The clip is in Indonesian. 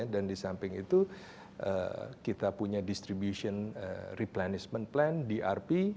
dan di samping itu kita punya distribution replenishment plan drp